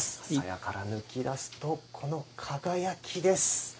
鞘から抜き出すと、この輝きです。